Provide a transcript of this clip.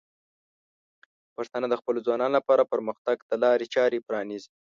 پښتانه د خپلو ځوانانو لپاره پرمختګ ته لارې چارې پرانیزي.